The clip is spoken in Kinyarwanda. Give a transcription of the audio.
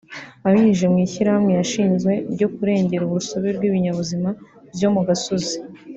Abinyujije mu ishyirahamwe yashinze ryo kurengera urusobe rw’ibinyabuzima byo mu gasozi